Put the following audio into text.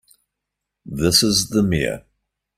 This is the Mayor.